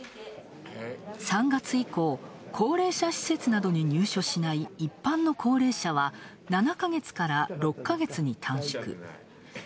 ３月以降、高齢者施設などに入所しない一般の高齢者は７か月から６か月に短縮。